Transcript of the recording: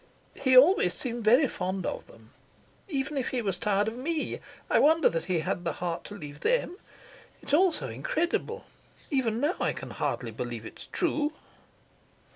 "He always seemed very fond of them. Even if he was tired of me, I wonder that he had the heart to leave them. It's all so incredible. Even now I can hardly believe it's true."